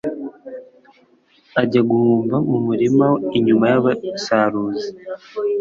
ajya guhumba mu murima inyuma y'abasaruzi